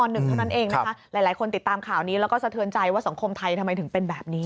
หลายคนติดตามข่าวนี้แล้วก็สะเทือนใจว่าสังคมไทยทำไมถึงเป็นแบบนี้